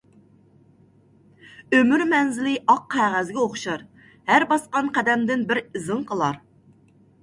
ئۆمۈر مەنزىلى ئاق قەغەزگە ئوخشار، ھەر باسقان قەدەمدىن بىر ئىزىڭ قالار.